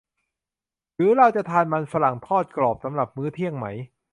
หรือเราจะทานมันฝรั่งทอดกรอบสำหรับมื้อเที่ยงไหม ?